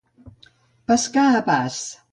Pescar a pas.